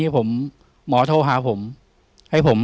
พี่น้องรู้ไหมว่าพ่อจะตายแล้วนะ